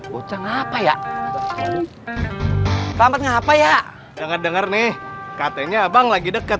bocah ngapain ya selamat ngapain ya denger dengernih katanya abang lagi deket